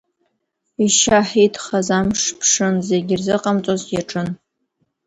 Ишьаҳиҭхаз амш ԥшын, зегь ирзыҟамҵоз иаҿын.